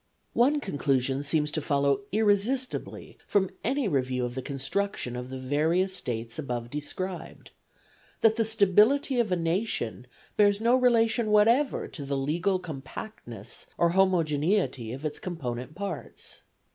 One conclusion seems to follow irresistibly from any review of the construction of the various States above described: that the stability of a nation bears no relation whatever to the legal compactness or homogeneity of its component parts.